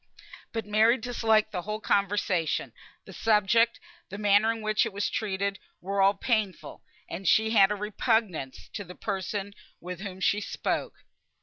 But Mary disliked the whole conversation; the subject, the manner in which it was treated, were all painful, and she had a repugnance to the person with whom she spoke.